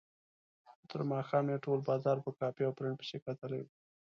تر ماښامه یې ټول بازار په کاپي او پرنټ پسې کتلی و.